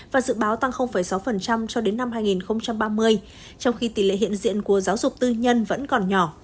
và dự báo tăng sáu cho đến năm hai nghìn ba mươi trong khi tỷ lệ hiện diện của giáo dục tư nhân vẫn còn nhỏ